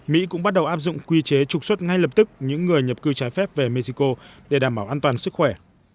mỹ cũng bắt đầu áp dụng quy chế trục xuất ngay lập tức những người nhập cư trái phép về mexico để đảm bảo an toàn sức khỏe